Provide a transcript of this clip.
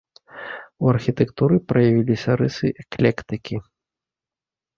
У архітэктуры праявіліся рысы эклектыкі.